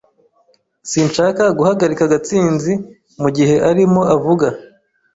Sinshaka guhagarika Gatsinzi mugihe arimo avuga.